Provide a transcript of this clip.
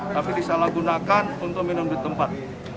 tapi disalahgunakan untuk minum di tempat